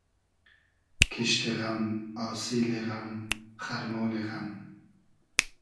کیشت غئم آسیلی غئم خئرمۉنی غئم